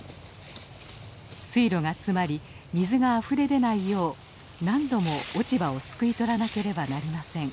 水路が詰まり水があふれ出ないよう何度も落ち葉をすくい取らなければなりません。